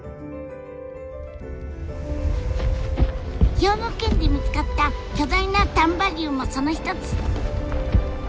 兵庫県で見つかった巨大な丹波竜もその一つ。